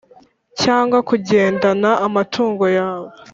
cyangwa kugendana amatungo yawe